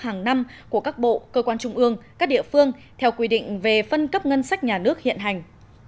hàng năm của các bộ cơ quan trung ương các địa phương theo quy định về phân cấp ngân sách nhà nước hiện hành